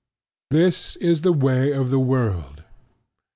This is the way of the world.